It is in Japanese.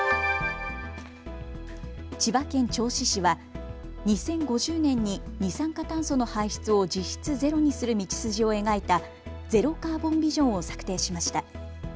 千葉県銚子市は２０５０年に二酸化炭素の排出を実質ゼロにする道筋を描いたゼロカーボンビジョンを策定しました。